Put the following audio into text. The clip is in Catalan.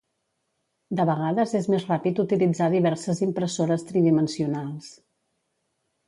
De vegades és més ràpid utilitzar diverses impressores tridimensionals.